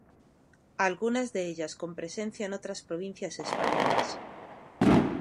Algunas de ellas con presencia en otras provincias españolas.